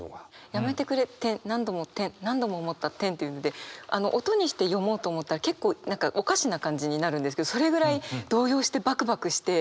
「やめてくれ、何度も、何度も思った、」っていうので音にして読もうと思ったら結構おかしな感じになるんですけどそれぐらい動揺してバクバクして。